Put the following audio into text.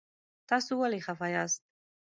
تاسو ولې خفه یاست؟